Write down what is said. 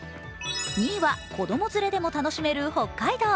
２位は、子ども連れでも楽しめる北海道。